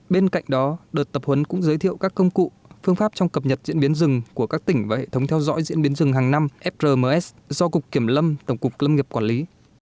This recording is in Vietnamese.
bên cạnh đó đợt tập huấn cũng giới thiệu các công cụ phương pháp trong cập nhật diễn biến rừng của các tỉnh và hệ thống theo dõi diễn biến rừng hàng năm frms do cục kiểm lâm tổng cục lâm nghiệp quản lý